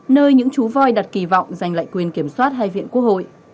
nơi những chú voi đặt kỳ vọng giành lại quyền kiểm soát hai viện quốc hội